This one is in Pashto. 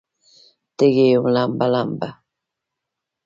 تږې یم لمبه، لمبه